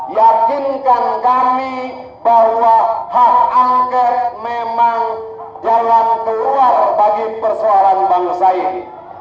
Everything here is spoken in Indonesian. yakinkan kami bahwa hak angket memang jalan keluar bagi persoalan bangsa ini